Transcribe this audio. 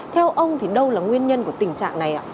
theo ông thì đâu là nguyên nhân của tình trạng này ạ